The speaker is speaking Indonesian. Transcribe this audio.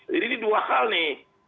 jadi ini dua hal nih